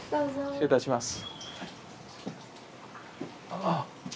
失礼いたします。